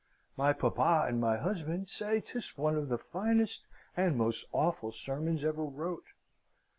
My papa and my husband say 'tis one of the finest and most awful sermons ever wrote.